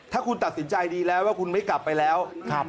ถ้าคุณตัดสินใจดีแล้วว่าคุณไม่กลับไปแล้ว